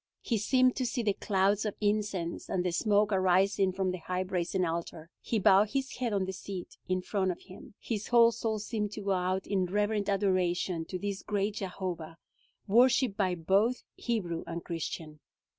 He seemed to see the clouds of incense, and the smoke arising from the high brazen altar. He bowed his head on the seat in front of him. His whole soul seemed to go out in reverent adoration to this great Jehovah, worshiped by both Hebrew and Christian.